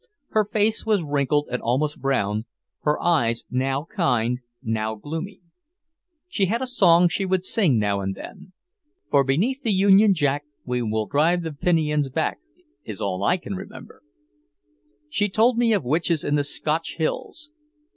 Her face was wrinkled and almost brown, her eyes now kind, now gloomy. She had a song she would sing now and then. "For beneath the Union Jack we will drive the Finians back" is all I can remember. She told me of witches in the Scotch hills.